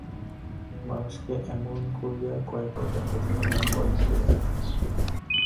মানুষকে এমন করিয়া কয়বার দেখা যায় এবং কয়জনকে দেখা যায়!